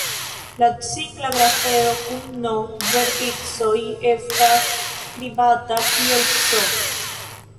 La cikla grafeo kun "n" verticoj estas skribata kiel "C".